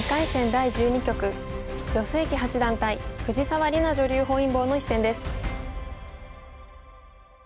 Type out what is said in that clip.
第１２局余正麒八段対藤沢里菜女流本因坊の一戦です。